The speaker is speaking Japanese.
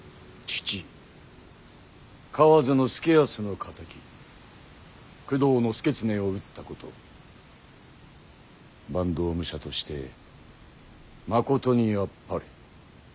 父河津祐泰の敵工藤祐経を討ったこと坂東武者としてまことにあっぱれ。